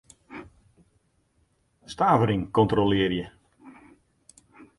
Stavering kontrolearje.